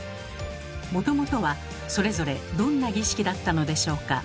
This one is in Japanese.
もともとはそれぞれどんな儀式だったのでしょうか？